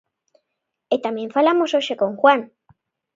E tamén falamos hoxe con Juan.